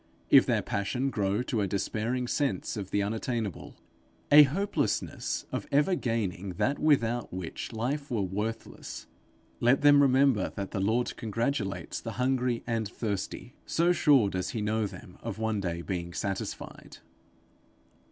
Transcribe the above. If their passion grow to a despairing sense of the unattainable, a hopelessness of ever gaining that without which life were worthless, let them remember that the Lord congratulates the hungry and thirsty, so sure does he know them of being one day satisfied.